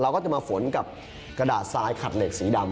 เราก็ต้องฝนนกับกระดาษซายขัดเหล็กสีดำ